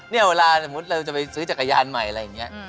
เนี่ยเวลาสมมุติเราจะไปซื้อจักรยานใหม่อะไรอย่างนี้